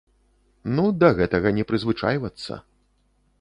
Ну, да гэтага не прызвычайвацца.